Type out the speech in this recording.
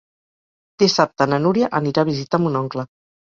Dissabte na Núria anirà a visitar mon oncle.